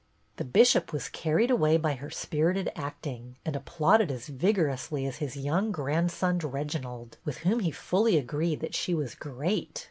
The Bishop was carried away by her spir ited acting and applauded as vigorously as his young grandson Reginald, with whom he fully agreed that she was "great."